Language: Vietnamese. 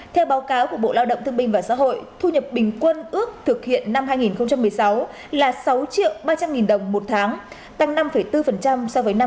theo báo cáo của bộ lao động thương binh và xã hội thu nhập bình quân ước thực hiện năm hai nghìn một mươi sáu là sáu triệu ba trăm linh nghìn đồng một tháng tăng năm bốn so với năm hai nghìn một mươi